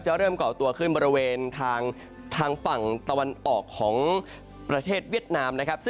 เริ่มเกาะตัวขึ้นบริเวณทางฝั่งตะวันออกของประเทศเวียดนามนะครับ